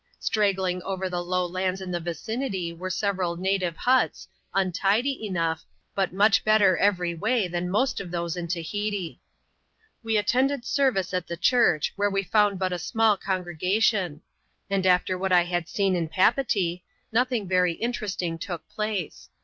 Straggling over the low lands in the vicinity wifere several native huts — untidy enough — but much better every way than most of those in Tahiti* We attended service at the church, where we found but a ^mall congregation ; and after what I had seen in Papeetee, nothing very interesting took place.